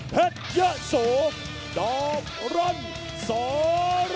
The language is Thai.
เผ็ดยะสูงนาบรันสรรคม